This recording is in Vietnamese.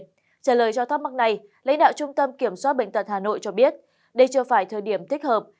trả lời cho thắc mắc này lãnh đạo trung tâm kiểm soát bệnh tật hà nội cho biết đây chưa phải thời điểm thích hợp